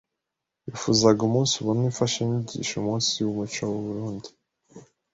wifuzaga umunsibona imfashanyigisho umunsi muco w’u Burunndi.